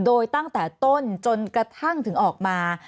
โดยตั้งแต่ต้นจนกระทั่งถึงออกมา